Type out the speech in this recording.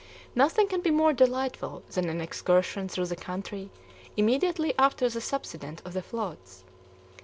Nothing can be more delightful than an excursion through the country immediately after the subsidence of the floods.